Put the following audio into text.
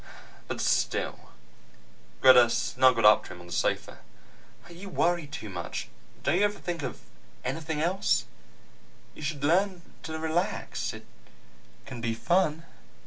But still ..." Greta snuggled up to him on the sofa. "You worry too much. Don't you ever think of anything else? You should learn to relax. It can be fun."